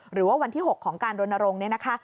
หรือว่าวันที่๖ของการรณรงค์เนี่ยนะคะ